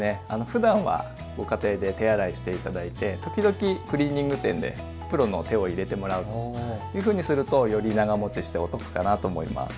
ふだんはご家庭で手洗いして頂いて時々クリーニング店でプロの手を入れてもらうというふうにするとより長もちしてお得かなと思います。